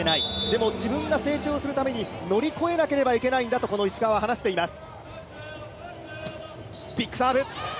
でも自分が成長するために乗り越えなければいけないんだとこの石川は話しています。